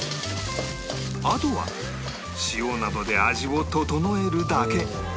あとは塩などで味を調えるだけ